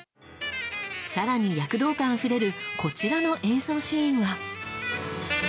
更に躍動感あふれるこちらの演奏シーンは。